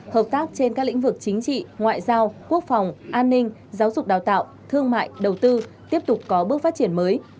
hợp tác trên các lĩnh vực chính trị ngoại giao quốc phòng an ninh giáo dục đào tạo thương mại đầu tư tiếp tục có bước phát triển mới